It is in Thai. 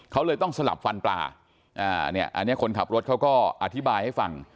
เขาเลยต้องสลับฟันปลาเนี่ยอันนี้คนขับรถเขาก็อธิบายให้ฟัง